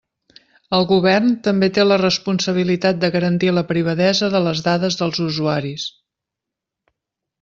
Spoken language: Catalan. El govern també té la responsabilitat de garantir la privadesa de les dades dels usuaris.